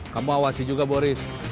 kamu awasi juga boris